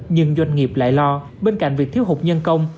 nhưng doanh nghiệp lại lo bên cạnh việc thiếu hụt nhân công